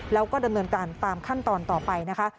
แล้วก็ดำเนินการตามขั้นตอนต่อไปนะคะ